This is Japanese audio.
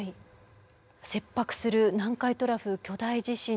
切迫する南海トラフ巨大地震。